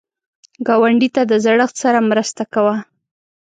ګاونډي ته د زړښت سره مرسته کوه